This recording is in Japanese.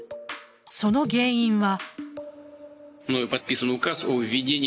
その原因は。